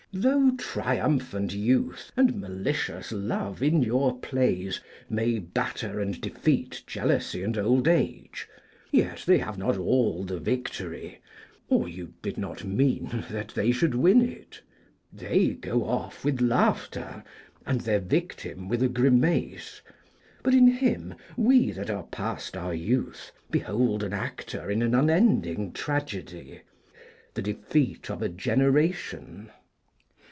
Though triumphant Youth and malicious Love in your plays may batter and defeat Jealousy and Old Age, yet they have not all the victory, or you did not mean that they should win it. They go off with laughter, and their victim with a grimace; but in him we, that are past our youth, behold an actor in an unending tragedy, the defeat of a generation.